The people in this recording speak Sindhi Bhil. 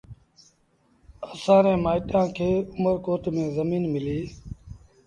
اَسآݩ ري مآئيٚٽآن کي اُمرڪوٽ ميݩ زڃين مليٚ۔